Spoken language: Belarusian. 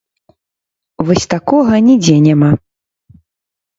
Вось такога нідзе няма.